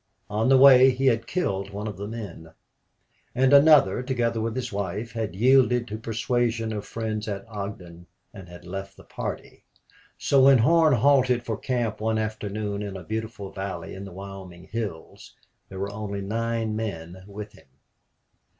On the way he had killed one of the men; and another, together with his wife, had yielded to persuasion of friends at Ogden and had left the party. So when Horn halted for camp one afternoon in a beautiful valley in the Wyoming hills there were only nine men with him.